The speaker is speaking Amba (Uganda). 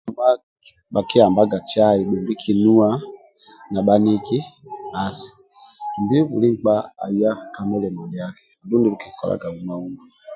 Bhakiambaga cai dumbi kinuwa na bhaniki bhasi dumbi buli nkpa aya ka mulimo ndiaki andulu ndie nkikolaga uma uma